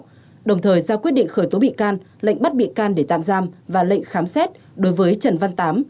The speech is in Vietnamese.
cơ quan cảnh sát điều tra bộ công an đã ra quyết định khởi tố bị can lệnh bắt bị can để tạm giam và lệnh khám xét đối với trần văn tám